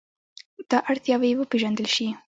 دا اړتیاوې وپېژندل شي.